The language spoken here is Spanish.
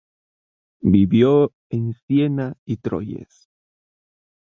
Vivió en Siena y Troyes.